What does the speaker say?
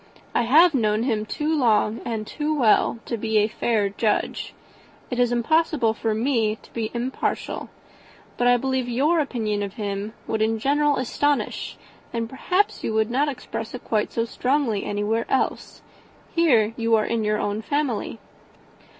I have known him too long and too well to be a fair judge. It is impossible for me to be impartial. But I believe your opinion of him would in general astonish and, perhaps, you would not express it quite so strongly anywhere else. Here you are in your own family."